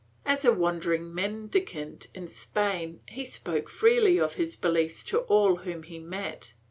As a wandering mendicant in Spain, he spoke freely of his beliefs to all whom he met.